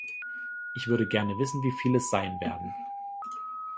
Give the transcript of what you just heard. Ich würde gerne wissen, wieviel es sein werden.